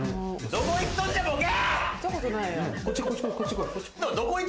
どこいっとんじゃボケ。